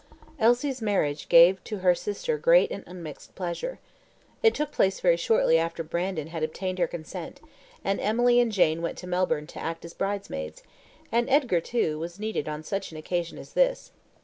Elsie s marriage gave to her sister great and unmixed pleasure. It took place very shortly after Brandon had obtained her consent, and Emily and Jane went to Melbourne to act as bridesmaids; and Edgar, too, was needed on such an occasion as this.